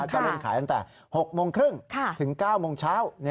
ก็เริ่มขายตั้งแต่๖โมงครึ่งถึง๙โมงเช้า